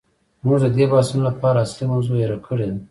موږ د دې بحثونو له امله اصلي موضوع هیر کړې ده.